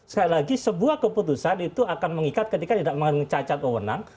sekali lagi sebuah keputusan itu akan mengikat ketika tidak mencacat wewenang